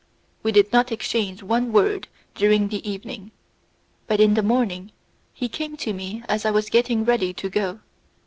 We did not exchange one word during the evening, but in the morning he came to me as I was getting ready to go.